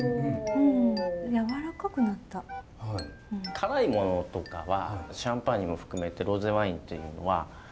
辛いものとかはシャンパーニュも含めてロゼワインっていうのはよく合うんですよ。